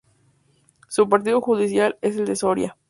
Su partido judicial es el de Soria.